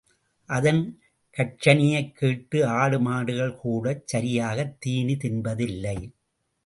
அதன் கர்ச்சனையைக் கேட்டு ஆடு மாடுகள் கூடச் சரியாகத் தீனி தின்பதில்லை.